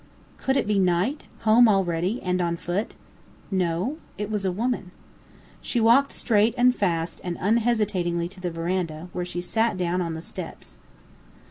Could it be Knight, home already and on foot? No, it was a woman. She walked straight and fast and unhesitating to the veranda, where she sat down on the steps.